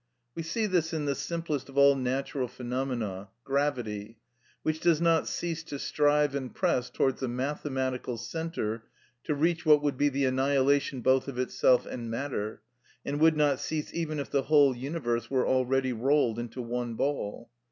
We see this in the simplest of all natural phenomena, gravity, which does not cease to strive and press towards a mathematical centre to reach which would be the annihilation both of itself and matter, and would not cease even if the whole universe were already rolled into one ball.